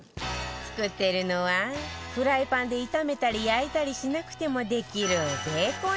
作っているのはフライパンで炒めたり焼いたりしなくてもできる